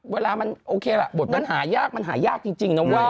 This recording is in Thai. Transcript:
เวลามันโอเคละบทมันหายากมันหายากจริงนะเว้ย